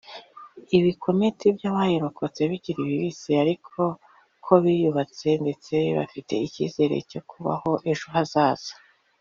ibikomete by’abayirikotse bikiri bibisi ariko ko biyubatse ndetse bafite icyizere cyo kubaho ejo hazaza